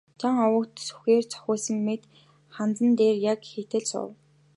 Жан овогт сүхээр цохиулсан мэт ханзан дээр яг хийтэл суув.